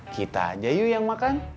kita aja yuk yang makan